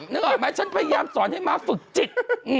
นึกออกไหมฉันพยายามสอนให้ม้าฝึกจิต